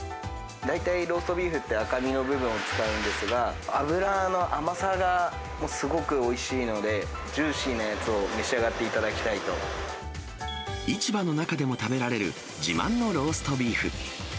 大体ローストビーフって赤みの部分を使うんですが、脂の甘さがすごくおいしいので、ジューシーなやつを召し上がって市場の中でも食べられる自慢のローストビーフ。